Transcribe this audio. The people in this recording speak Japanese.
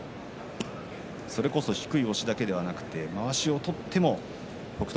それこそ低い押しだけではなくまわしを取っても北勝